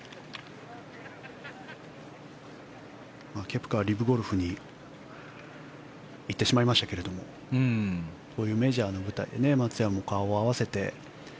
ケプカはＬＩＶゴルフに行ってしまいましたけどこういうメジャーの舞台で松山も顔を合わせて。